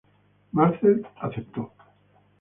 Marcel aceptó.